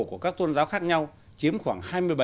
của các tôn giáo khác nhau chiếm khoảng